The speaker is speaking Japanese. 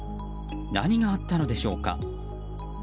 何があったのでしょうか。